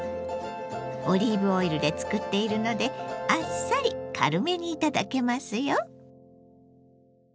オリーブオイルで作っているのであっさり軽めに頂けますよ。